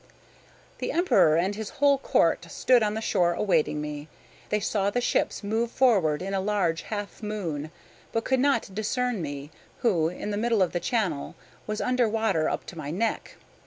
The Emperor and his whole Court stood on the shore awaiting me. They saw the ships move forward in a large half moon, but could not discern me, who, in the middle of the channel, was under water up to my neck.